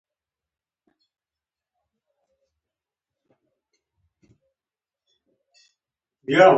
په انفرادي ډول د ټرانسپورټ له مرستې پرته.